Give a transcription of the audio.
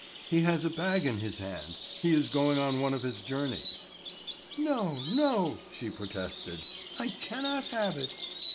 "He has a bag in his hand; he is going on one of his journeys." "No, no," she protested, "I cannot have it."